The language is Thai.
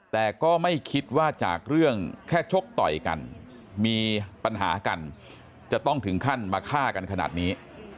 แต่ก็ไม่คิดว่าจากเรื่องแค่ชกต่อยกันมีปัญหากันจะต้องถึงขั้นมาฆ่ากันขนาดนี้